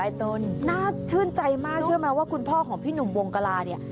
แล้วคุณน่าชื่นใจมากเชื่อมั้ยว่าคุณพ่อของพี่หนุ่มวงกราเนี่ย